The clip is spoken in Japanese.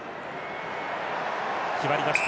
決まりました。